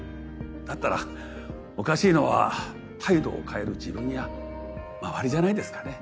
だったらおかしいのは態度を変える自分や周りじゃないですかね。